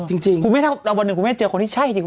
จริงคุณแม่ถ้าวันหนึ่งคุณแม่เจอคนที่ใช่จริง